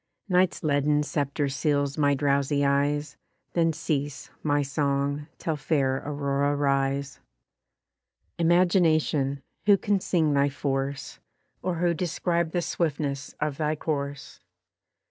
Night's leaden sceptre seals my drowsy eyes, Then cease, my song, till fair Aurora rise. Imagination! Who can sing thy force? Or who describe the swiftness of thy course?